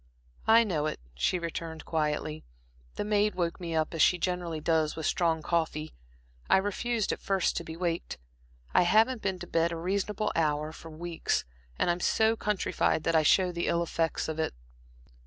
"I know it," she returned, quietly. "The maid woke me up, as she generally does, with strong coffee. I refused at first to be waked. I haven't been to bed at a reasonable hour for weeks, and I'm so countrified that I show the ill effects of it."